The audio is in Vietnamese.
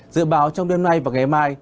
dự báo trong đêm nay và ngày mai